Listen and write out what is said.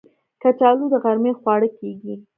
کچالو د غرمې خواړه کېږي